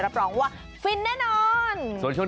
รับรองว่าฟินแน่นอน